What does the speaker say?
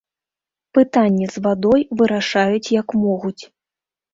Пытанне з вадой вырашаюць, як могуць.